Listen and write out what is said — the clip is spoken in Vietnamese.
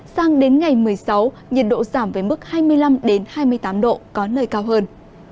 sang đến ngày một mươi sáu nhiệt độ giảm với mức hai mươi năm hai mươi tám độ có nơi cao hơn